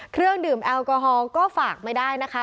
เครื่องดื่มแอลกอฮอลก็ฝากไม่ได้นะคะ